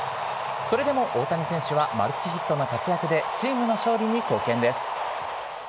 それでも大谷選手は、マルチヒットの活躍でチームの勝利に貢献です。